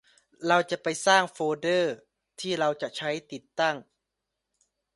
เราจะไปสร้างโฟลเดอร์ที่เราจะใช้ติดตั้ง